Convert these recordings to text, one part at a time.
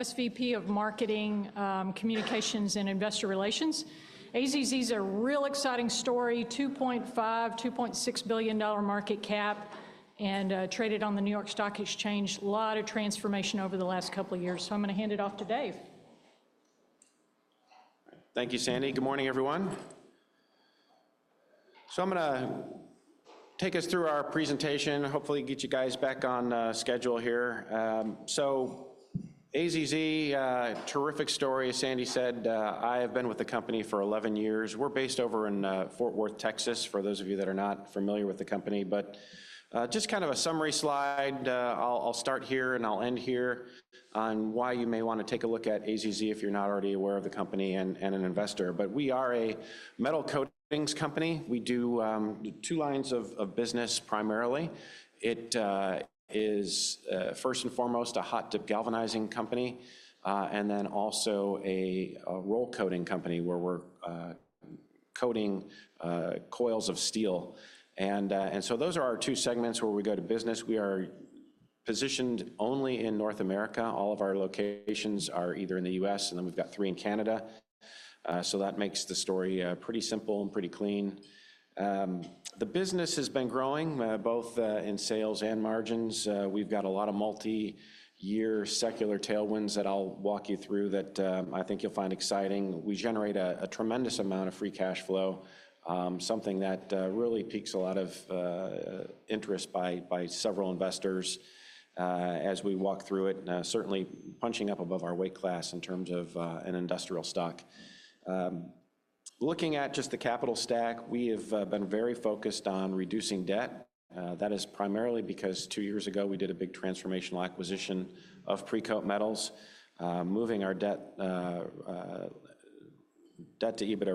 SVP of Marketing, Communications, and Investor Relations. AZZ's a real exciting story, $2.5-$2.6 billion market cap, and traded on the New York Stock Exchange. A lot of transformation over the last couple of years, so I'm going to hand it off to Dave. Thank you, Sandy. Good morning, everyone. So I'm going to take us through our presentation, hopefully get you guys back on schedule here. So AZZ, terrific story. As Sandy said, I have been with the company for 11 years. We're based over in Fort Worth, Texas, for those of you that are not familiar with the company. But just kind of a summary slide, I'll start here and I'll end here on why you may want to take a look at AZZ if you're not already aware of the company and an investor. But we are a metal coatings company. We do two lines of business primarily. It is, first and foremost, a hot-dip galvanizing company, and then also a roll coating company where we're coating coils of steel. And so those are our two segments where we go to business. We are positioned only in North America. All of our locations are either in the U.S., and then we've got three in Canada. So that makes the story pretty simple and pretty clean. The business has been growing both in sales and margins. We've got a lot of multi-year secular tailwinds that I'll walk you through that I think you'll find exciting. We generate a tremendous amount of free cash flow, something that really piques a lot of interest by several investors as we walk through it, certainly punching up above our weight class in terms of an industrial stock. Looking at just the capital stack, we have been very focused on reducing debt. That is primarily because two years ago we did a big transformational acquisition of Precoat Metals, moving our debt-to-EBITDA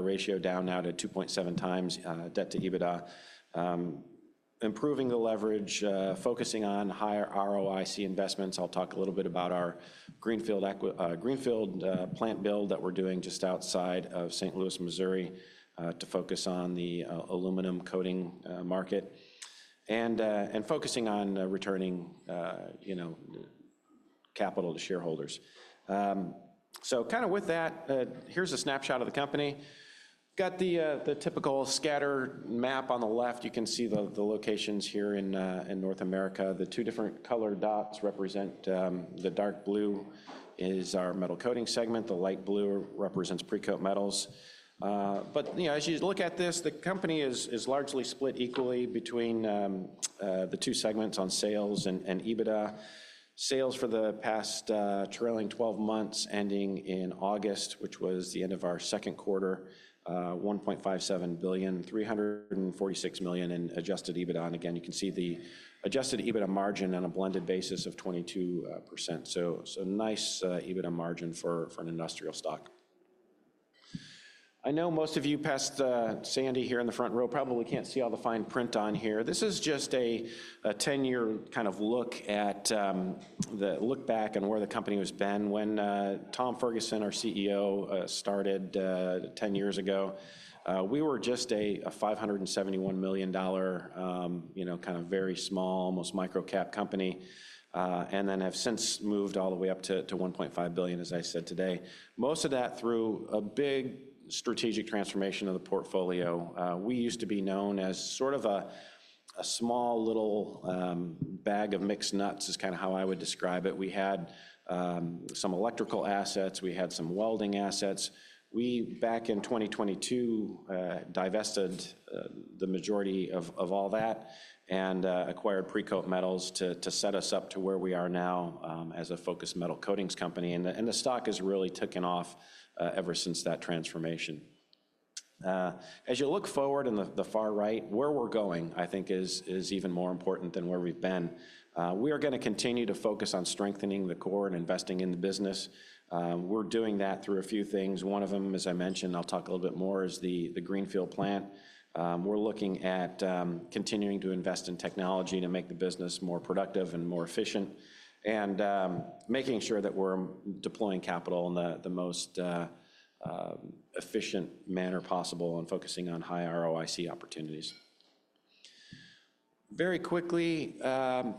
ratio down now to 2.7 times debt-to-EBITDA, improving the leverage, focusing on higher ROIC investments. I'll talk a little bit about our greenfield plant build that we're doing just outside of St. Louis, Missouri, to focus on the aluminum coating market and focusing on returning capital to shareholders. So kind of with that, here's a snapshot of the company. Got the typical scatter map on the left. You can see the locations here in North America. The two different colored dots represent, the dark blue is our metal coating segment. The light blue represents Precoat Metals. But as you look at this, the company is largely split equally between the two segments on sales and EBITDA. Sales for the past trailing 12 months ending in August, which was the end of our second quarter, $1.57 billion, $346 million in adjusted EBITDA. And again, you can see the adjusted EBITDA margin on a blended basis of 22%. So nice EBITDA margin for an industrial stock. I know most of you past Sandy here in the front row probably can't see all the fine print on here. This is just a 10-year kind of look at the look back and where the company has been when Tom Ferguson, our CEO, started 10 years ago. We were just a $571 million, kind of very small, almost micro-cap company, and then have since moved all the way up to $1.5 billion, as I said today. Most of that through a big strategic transformation of the portfolio. We used to be known as sort of a small little bag of mixed nuts is kind of how I would describe it. We had some electrical assets. We had some welding assets. We, back in 2022, divested the majority of all that and acquired Precoat Metals to set us up to where we are now as a focused metal coatings company. The stock has really taken off ever since that transformation. As you look forward in the far right, where we're going, I think, is even more important than where we've been. We are going to continue to focus on strengthening the core and investing in the business. We're doing that through a few things. One of them, as I mentioned, I'll talk a little bit more, is the greenfield Plant. We're looking at continuing to invest in technology to make the business more productive and more efficient and making sure that we're deploying capital in the most efficient manner possible and focusing on high ROIC opportunities. Very quickly,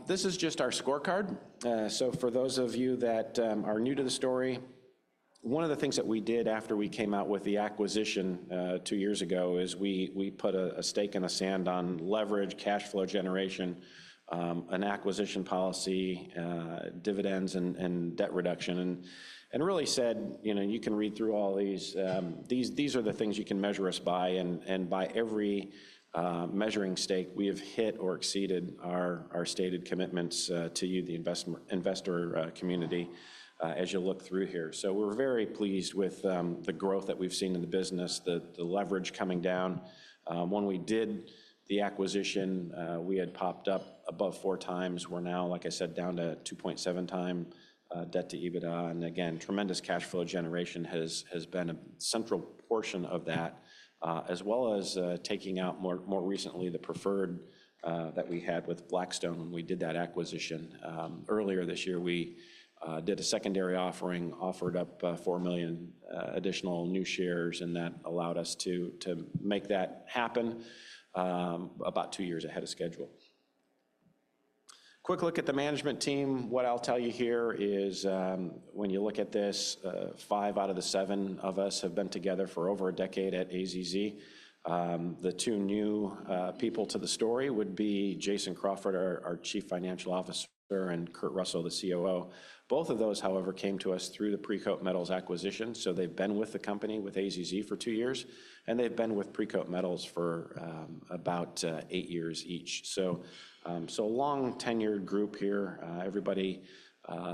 this is just our scorecard. So for those of you that are new to the story, one of the things that we did after we came out with the acquisition two years ago is we put a stake in the ground on leverage, cash flow generation, an acquisition policy, dividends, and debt reduction, and really said, you can read through all these. These are the things you can measure us by. And by every measuring stick, we have hit or exceeded our stated commitments to you, the investor community, as you look through here. So we're very pleased with the growth that we've seen in the business, the leverage coming down. When we did the acquisition, we had popped up above four times. We're now, like I said, down to 2.7 times debt-to-EBITDA. And again, tremendous cash flow generation has been a central portion of that, as well as taking out more recently the preferred that we had with Blackstone when we did that acquisition. Earlier this year, we did a secondary offering, offered up $4 million additional new shares, and that allowed us to make that happen about two years ahead of schedule. Quick look at the management team. What I'll tell you here is when you look at this, five out of the seven of us have been together for over a decade at AZZ. The two new people to the story would be Jason Crawford, our Chief Financial Officer, and Kurt Russell, the COO. Both of those, however, came to us through the Precoat Metals acquisition. So they've been with the company with AZZ for two years, and they've been with Precoat Metals for about eight years each. So a long tenured group here. Everybody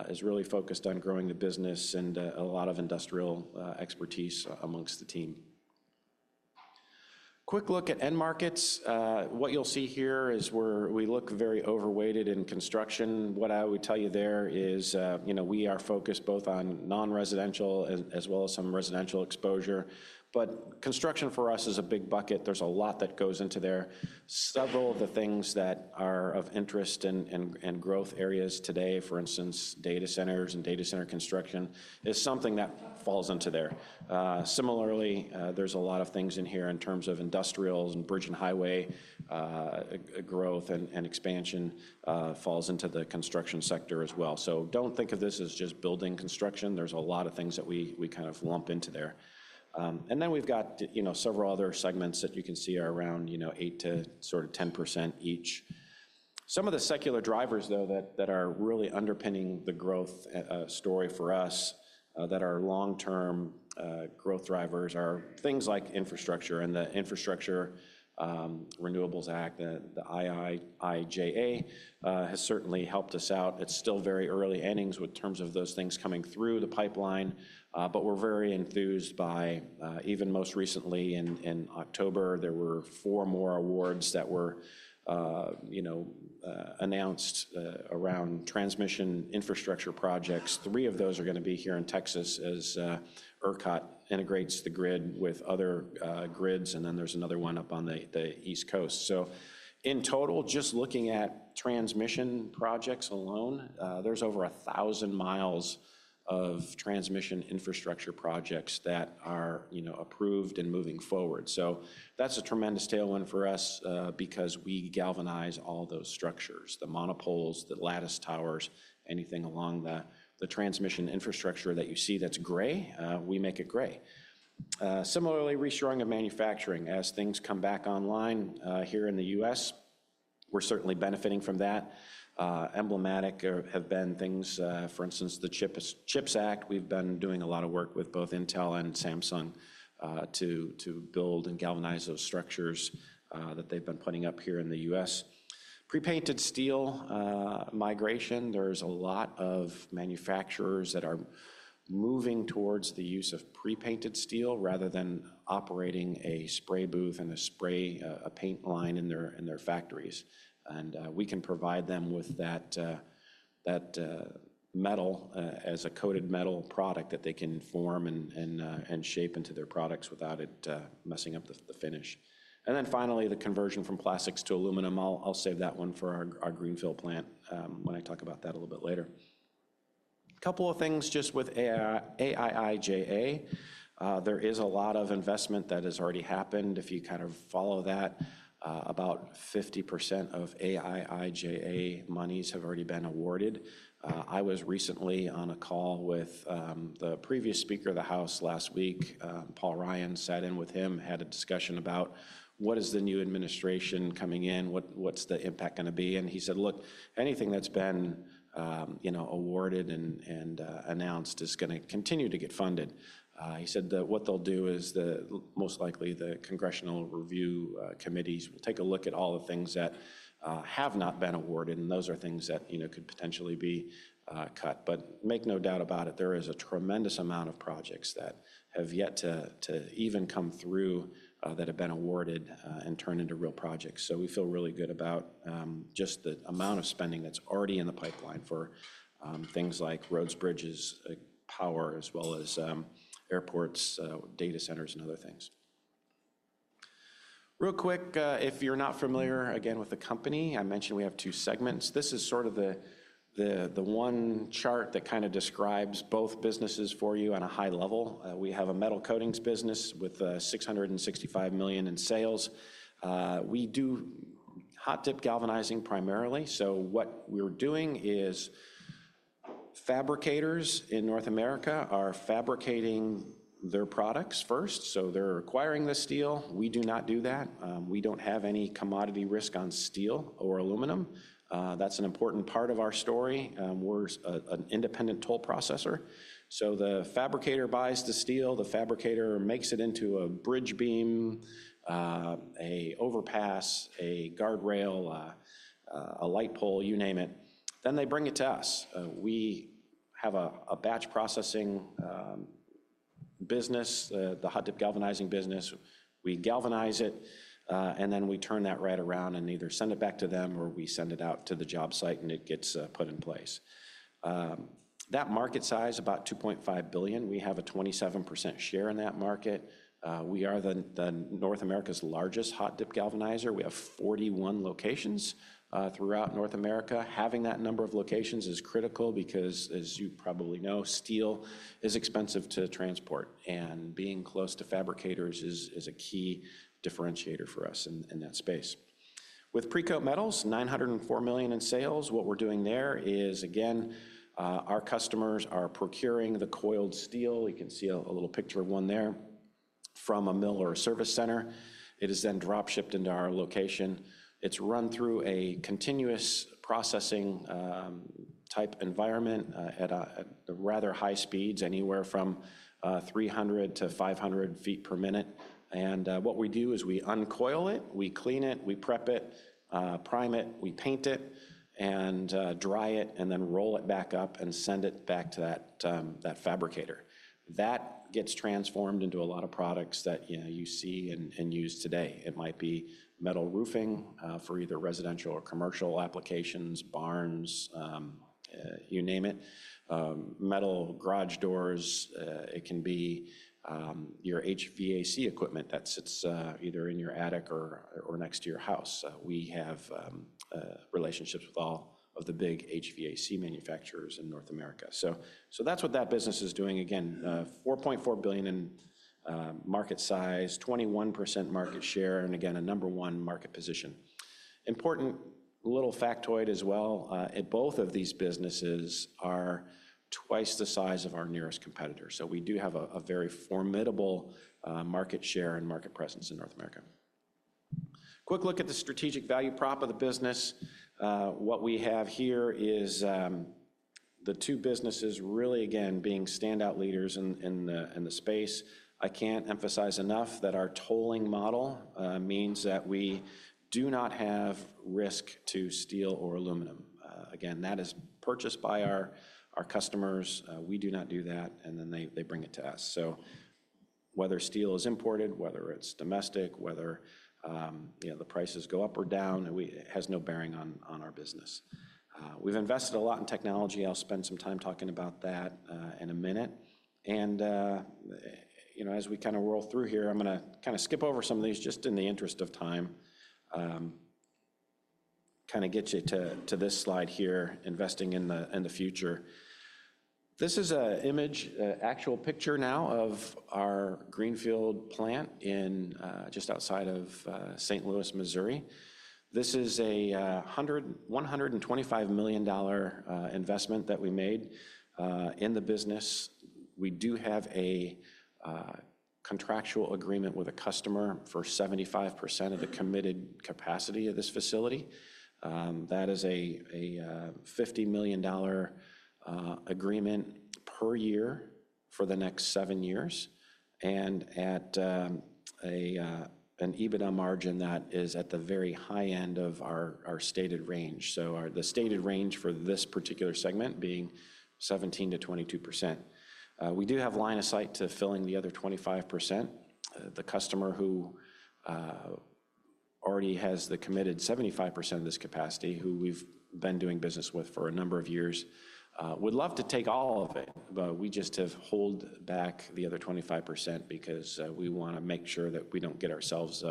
is really focused on growing the business and a lot of industrial expertise amongst the team. Quick look at end markets. What you'll see here is we look very overweighted in construction. What I would tell you there is we are focused both on non-residential as well as some residential exposure. But construction for us is a big bucket. There's a lot that goes into there. Several of the things that are of interest and growth areas today, for instance, data centers and data center construction, is something that falls into there. Similarly, there's a lot of things in here in terms of industrials and bridge and highway growth and expansion falls into the construction sector as well. So don't think of this as just building construction. There's a lot of things that we kind of lump into there. And then we've got several other segments that you can see are around 8%-10% each. Some of the secular drivers, though, that are really underpinning the growth story for us that are long-term growth drivers are things like infrastructure. The Infrastructure Investment and Jobs Act, the IIJA, has certainly helped us out. It's still very early innings in terms of those things coming through the pipeline. But we're very enthused by even most recently in October, there were four more awards that were announced around transmission infrastructure projects. Three of those are going to be here in Texas as ERCOT integrates the grid with other grids. And then there's another one up on the East Coast. So in total, just looking at transmission projects alone, there's over 1,000 miles of transmission infrastructure projects that are approved and moving forward. So that's a tremendous tailwind for us because we galvanize all those structures, the monopoles, the lattice towers, anything along the transmission infrastructure that you see that's gray, we make it gray. Similarly, reshoring of manufacturing as things come back online here in the U.S., we're certainly benefiting from that. Emblematic have been things, for instance, the CHIPS Act. We've been doing a lot of work with both Intel and Samsung to build and galvanize those structures that they've been putting up here in the U.S. Prepainted steel migration. There's a lot of manufacturers that are moving towards the use of prepainted steel rather than operating a spray booth and a spray paint line in their factories, and we can provide them with that metal as a coated metal product that they can form and shape into their products without it messing up the finish. And then finally, the conversion from plastics to aluminum. I'll save that one for our greenfield plant when I talk about that a little bit later. A couple of things just with IIJA. There is a lot of investment that has already happened. If you kind of follow that, about 50% of IIJA monies have already been awarded. I was recently on a call with the previous Speaker of the House last week. Paul Ryan sat in with him, had a discussion about what is the new administration coming in, what's the impact going to be. And he said, "Look, anything that's been awarded and announced is going to continue to get funded." He said that what they'll do is most likely the Congressional review committees will take a look at all the things that have not been awarded. And those are things that could potentially be cut. But make no doubt about it, there is a tremendous amount of projects that have yet to even come through that have been awarded and turned into real projects. So we feel really good about just the amount of spending that's already in the pipeline for things like roads, bridges, power, as well as airports, data centers, and other things. Real quick, if you're not familiar, again, with the company, I mentioned we have two segments. This is sort of the one chart that kind of describes both businesses for you on a high level. We have a metal coatings business with $665 million in sales. We do hot-dip galvanizing primarily. So what we're doing is fabricators in North America are fabricating their products first. So they're acquiring the steel. We do not do that. We don't have any commodity risk on steel or aluminum. That's an important part of our story. We're an independent toll processor. So the fabricator buys the steel, the fabricator makes it into a bridge beam, an overpass, a guardrail, a light pole, you name it. Then they bring it to us. We have a batch processing business, the hot-dip galvanizing business. We galvanize it, and then we turn that right around and either send it back to them or we send it out to the job site and it gets put in place. That market size is about $2.5 billion. We have a 27% share in that market. We are North America's largest hot-dip galvanizer. We have 41 locations throughout North America. Having that number of locations is critical because, as you probably know, steel is expensive to transport, and being close to fabricators is a key differentiator for us in that space. With Precoat Metals, $904 million in sales. What we're doing there is, again, our customers are procuring the coiled steel. You can see a little picture of one there from a mill or a service center. It is then drop-shipped into our location. It's run through a continuous processing type environment at rather high speeds, anywhere from 300-500 feet per minute. And what we do is we uncoil it, we clean it, we prep it, prime it, we paint it, and dry it, and then roll it back up and send it back to that fabricator. That gets transformed into a lot of products that you see and use today. It might be metal roofing for either residential or commercial applications, barns, you name it, metal garage doors. It can be your HVAC equipment that sits either in your attic or next to your house. We have relationships with all of the big HVAC manufacturers in North America. So that's what that business is doing. Again, $4.4 billion in market size, 21% market share, and again, a number one market position. Important little factoid as well. Both of these businesses are twice the size of our nearest competitor. So we do have a very formidable market share and market presence in North America. Quick look at the strategic value prop of the business. What we have here is the two businesses really, again, being standout leaders in the space. I can't emphasize enough that our tolling model means that we do not have risk to steel or aluminum. Again, that is purchased by our customers. We do not do that, and then they bring it to us. So whether steel is imported, whether it's domestic, whether the prices go up or down, it has no bearing on our business. We've invested a lot in technology. I'll spend some time talking about that in a minute. And as we kind of roll through here, I'm going to kind of skip over some of these just in the interest of time, kind of get you to this slide here, investing in the future. This is an image, actual picture now of our greenfield plant just outside of St. Louis, Missouri. This is a $125 million investment that we made in the business. We do have a contractual agreement with a customer for 75% of the committed capacity of this facility. That is a $50 million agreement per year for the next seven years and at an EBITDA margin that is at the very high end of our stated range. So the stated range for this particular segment being 17%-22%. We do have line of sight to filling the other 25%. The customer who already has the committed 75% of this capacity, who we've been doing business with for a number of years, would love to take all of it. But we just have held back the other 25% because we want to make sure that we don't get ourselves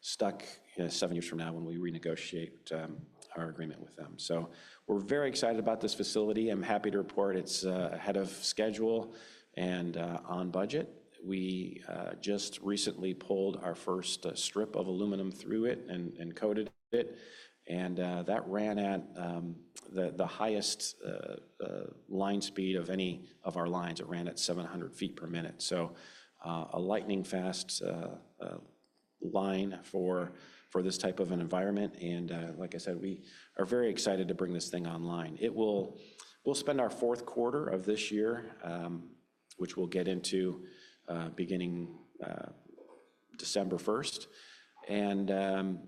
stuck seven years from now when we renegotiate our agreement with them. So we're very excited about this facility. I'm happy to report it's ahead of schedule and on budget. We just recently pulled our first strip of aluminum through it and coated it. And that ran at the highest line speed of any of our lines. It ran at 700 feet per minute. So a lightning-fast line for this type of an environment. And like I said, we are very excited to bring this thing online. We'll spend our fourth quarter of this year, which we'll get into beginning December 1st. And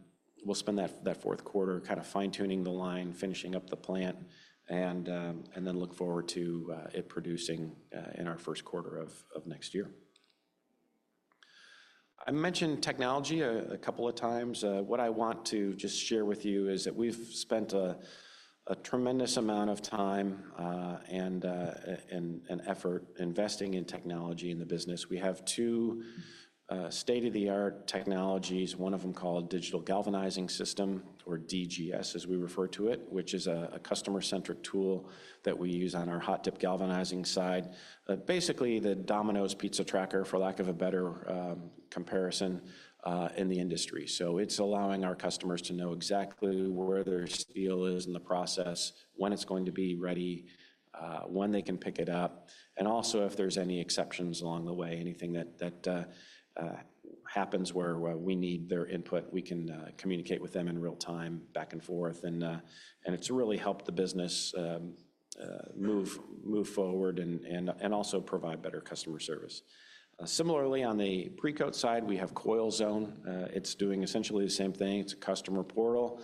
we'll spend that fourth quarter kind of fine-tuning the line, finishing up the plant, and then look forward to it producing in our first quarter of next year. I mentioned technology a couple of times. What I want to just share with you is that we've spent a tremendous amount of time and effort investing in technology in the business. We have two state-of-the-art technologies, one of them called Digital Galvanizing System, or DGS as we refer to it, which is a customer-centric tool that we use on our hot-dip galvanizing side. Basically, the Domino's Pizza tracker, for lack of a better comparison in the industry. So it's allowing our customers to know exactly where their steel is in the process, when it's going to be ready, when they can pick it up, and also if there's any exceptions along the way, anything that happens where we need their input, we can communicate with them in real time back and forth. And it's really helped the business move forward and also provide better customer service. Similarly, on the Precoat side, we have CoilZone. It's doing essentially the same thing. It's a customer portal.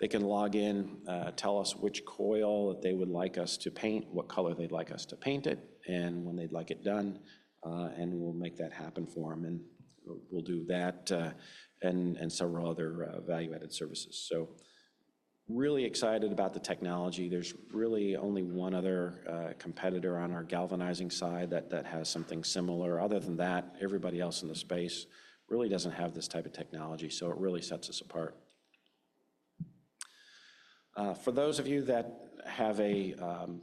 They can log in, tell us which coil they would like us to paint, what color they'd like us to paint it, and when they'd like it done, and we'll make that happen for them. And we'll do that and several other value-added services. So really excited about the technology. There's really only one other competitor on our galvanizing side that has something similar. Other than that, everybody else in the space really doesn't have this type of technology. So it really sets us apart. For those of you that have an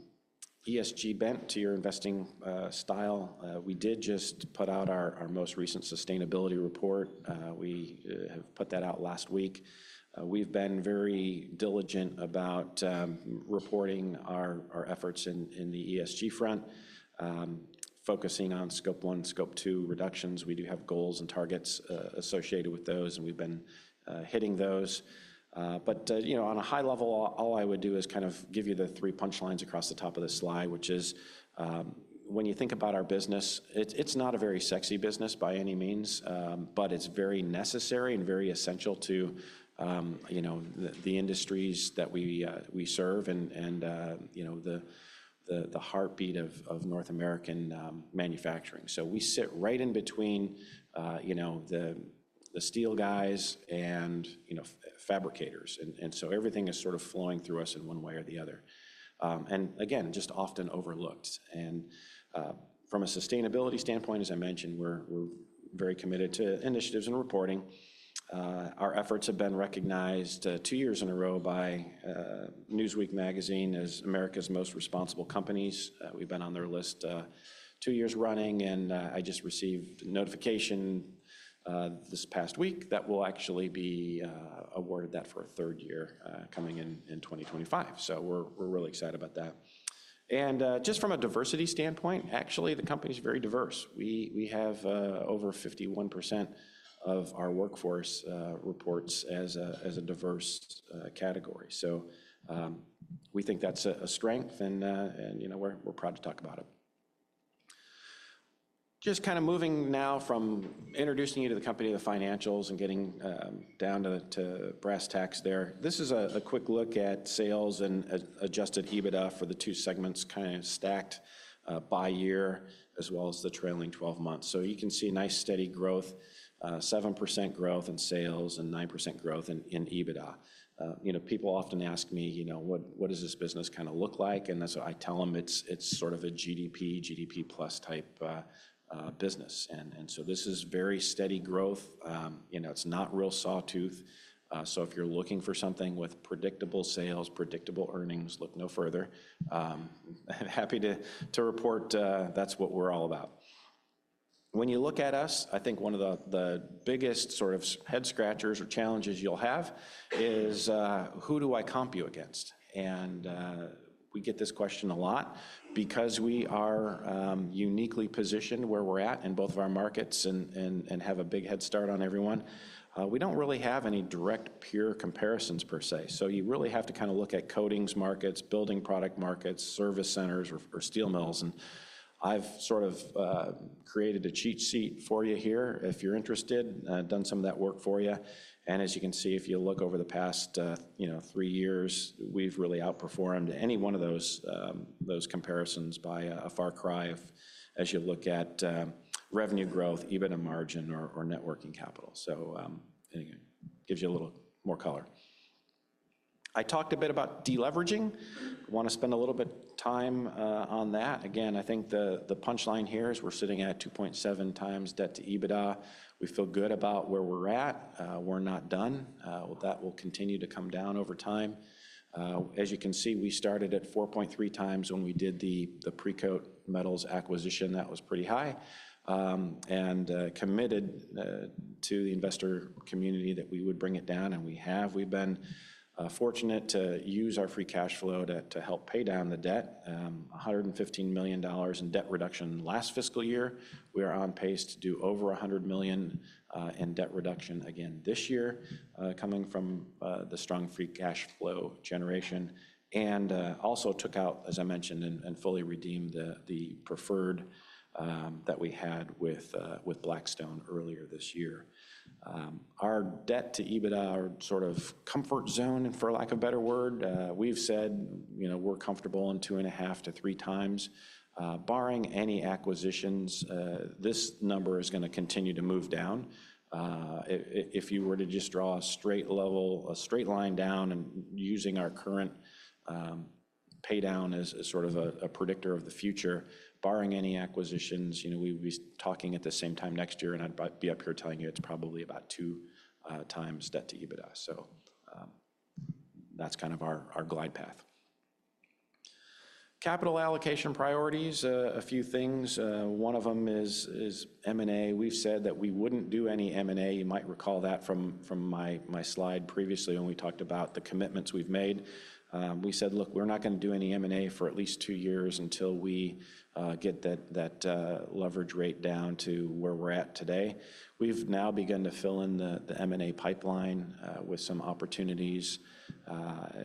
ESG bent to your investing style, we did just put out our most recent sustainability report. We have put that out last week. We've been very diligent about reporting our efforts in the ESG front, focusing on Scope 1, Scope 2 reductions. We do have goals and targets associated with those, and we've been hitting those. But on a high level, all I would do is kind of give you the three punchlines across the top of the slide, which is when you think about our business, it's not a very sexy business by any means, but it's very necessary and very essential to the industries that we serve and the heartbeat of North American manufacturing. So we sit right in between the steel guys and fabricators. And so everything is sort of flowing through us in one way or the other. And again, just often overlooked. And from a sustainability standpoint, as I mentioned, we're very committed to initiatives and reporting. Our efforts have been recognized two years in a row by Newsweek magazine as America's most responsible companies. We've been on their list two years running. And I just received notification this past week that we'll actually be awarded that for a third year coming in 2025. So we're really excited about that. And just from a diversity standpoint, actually, the company is very diverse. We have over 51% of our workforce reports as a diverse category. So we think that's a strength, and we're proud to talk about it. Just kind of moving now from introducing you to the company to the financials and getting down to brass tacks there. This is a quick look at sales and Adjusted EBITDA for the two segments kind of stacked by year as well as the trailing 12 months. So you can see nice steady growth, 7% growth in sales and 9% growth in EBITDA. People often ask me, "What does this business kind of look like?" And that's what I tell them. It's sort of a GDP, GDP plus type business. And so this is very steady growth. It's not real sawtooth. So if you're looking for something with predictable sales, predictable earnings, look no further. Happy to report that's what we're all about. When you look at us, I think one of the biggest sort of head scratchers or challenges you'll have is, "Who do I comp you against?" And we get this question a lot because we are uniquely positioned where we're at in both of our markets and have a big head start on everyone. We don't really have any direct peer comparisons per se. So you really have to kind of look at coatings markets, building product markets, service centers, or steel mills. And I've sort of created a cheat sheet for you here if you're interested, done some of that work for you. And as you can see, if you look over the past three years, we've really outperformed any one of those comparisons by a far cry as you look at revenue growth, EBITDA margin, or net working capital. So anyway, it gives you a little more color. I talked a bit about deleveraging. Want to spend a little bit of time on that. Again, I think the punchline here is we're sitting at 2.7 times debt to EBITDA. We feel good about where we're at. We're not done. That will continue to come down over time. As you can see, we started at 4.3 times when we did the Precoat Metals acquisition. That was pretty high. And committed to the investor community that we would bring it down, and we have. We've been fortunate to use our free cash flow to help pay down the debt. $115 million in debt reduction last fiscal year. We are on pace to do over $100 million in debt reduction again this year, coming from the strong free cash flow generation, and also took out, as I mentioned, and fully redeemed the preferred that we had with Blackstone earlier this year. Our debt-to-EBITDA, our sort of comfort zone, for lack of a better word, we've said we're comfortable in two and a half to three times. Barring any acquisitions, this number is going to continue to move down. If you were to just draw a straight line down and using our current paydown as sort of a predictor of the future, barring any acquisitions, we'd be talking at the same time next year, and I'd be up here telling you it's probably about two times debt-to-EBITDA. So that's kind of our glide path. Capital allocation priorities, a few things. One of them is M&A. We've said that we wouldn't do any M&A. You might recall that from my slide previously when we talked about the commitments we've made. We said, "Look, we're not going to do any M&A for at least two years until we get that leverage rate down to where we're at today." We've now begun to fill in the M&A pipeline with some opportunities.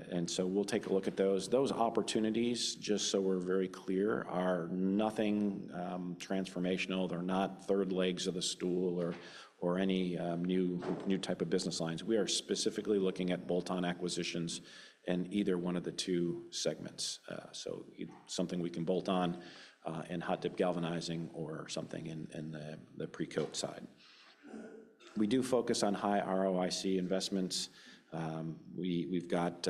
And so we'll take a look at those. Those opportunities, just so we're very clear, are nothing transformational. They're not third legs of the stool or any new type of business lines. We are specifically looking at bolt-on acquisitions in either one of the two segments. So something we can bolt on in hot-dip galvanizing or something in the Precoat side. We do focus on high ROIC investments. We've got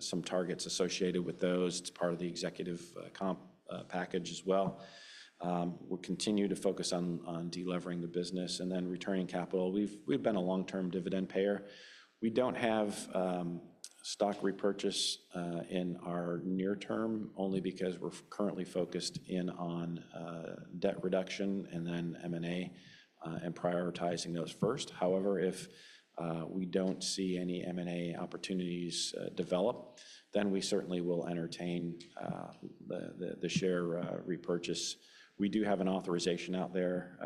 some targets associated with those. It's part of the executive comp package as well. We'll continue to focus on delivering the business and then returning capital. We've been a long-term dividend payer. We don't have stock repurchase in our near term only because we're currently focused in on debt reduction and then M&A and prioritizing those first. However, if we don't see any M&A opportunities develop, then we certainly will entertain the share repurchase. We do have an authorization out there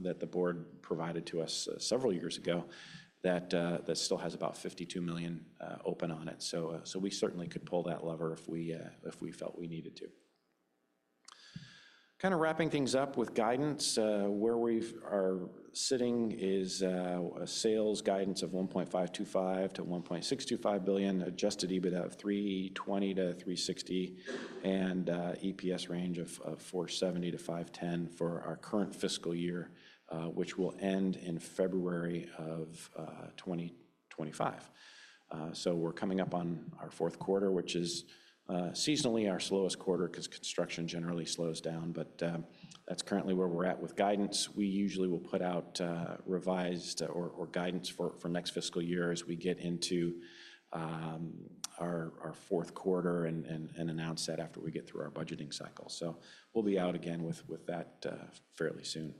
that the board provided to us several years ago that still has about $52 million open on it. So we certainly could pull that lever if we felt we needed to. Kind of wrapping things up with guidance, where we are sitting is a sales guidance of $1.525-$1.625 billion, Adjusted EBITDA of $320-$360, and EPS range of $470-$510 for our current fiscal year, which will end in February of 2025, so we're coming up on our fourth quarter, which is seasonally our slowest quarter because construction generally slows down. But that's currently where we're at with guidance. We usually will put out revised or guidance for next fiscal year as we get into our fourth quarter and announce that after we get through our budgeting cycle, so we'll be out again with that fairly soon.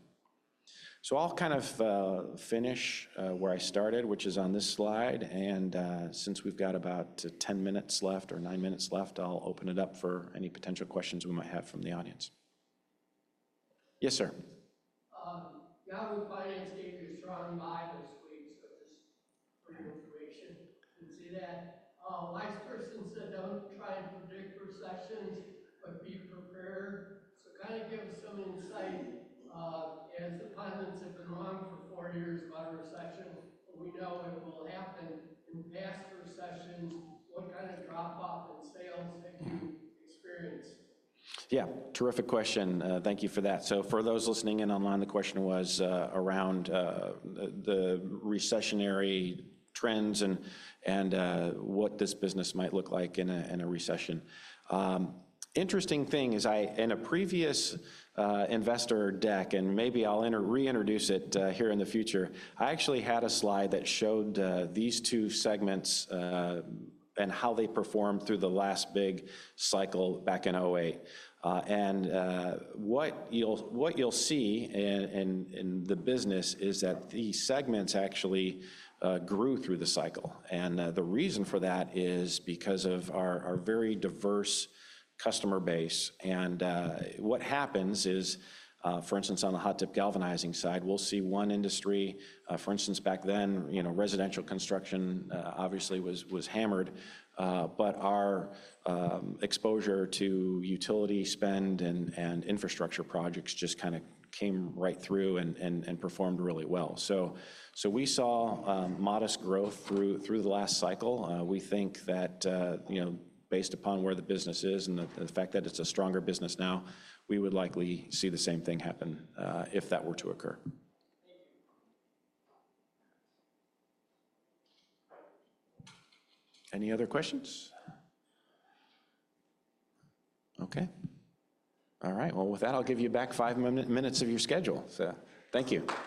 So I'll kind of finish where I started, which is on this slide, and since we've got about 10 minutes left or nine minutes left, I'll open it up for any potential questions we might have from the audience. Yes, sir. Galvan Finance gave you a strong buy this week, so just for your information. You can see that. Wise person said, "Don't try and predict recessions, but be prepared." So kind of give us some insight. As the pundits have been wrong for four years about a recession, but we know it will happen. In past recessions, what kind of drop-off in sales have you experienced? Yeah, terrific question. Thank you for that. So for those listening in online, the question was around the recessionary trends and what this business might look like in a recession. Interesting thing is in a previous investor deck, and maybe I'll reintroduce it here in the future, I actually had a slide that showed these two segments and how they performed through the last big cycle back in 2008. What you'll see in the business is that these segments actually grew through the cycle. The reason for that is because of our very diverse customer base. What happens is, for instance, on the hot-dip galvanizing side, we'll see one industry, for instance, back then, residential construction obviously was hammered, but our exposure to utility spend and infrastructure projects just kind of came right through and performed really well. We saw modest growth through the last cycle. We think that based upon where the business is and the fact that it's a stronger business now, we would likely see the same thing happen if that were to occur. Any other questions? Okay. All right. With that, I'll give you back five minutes of your schedule. Thank you.